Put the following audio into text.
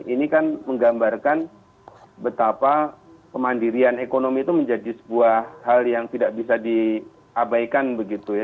ini kan menggambarkan betapa kemandirian ekonomi itu menjadi sebuah hal yang tidak bisa diabaikan begitu ya